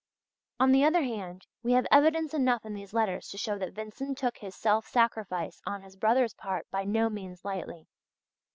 On the other hand, we have evidence enough in these letters to show that Vincent took this self sacrifice on his brother's part by no means lightly.